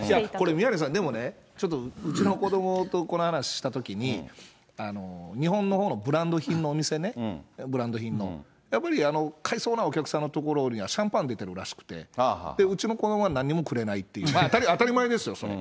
宮根さんね、ちょっとうちの子どもとこの話したときに、日本のほうのブランド品のお店ね、ブランド品の、やっぱり買いそうなお客さんのところには、シャンパンあげてるらしくて、うちの子にはなんにもくれないって、当たり前ですよ、それ。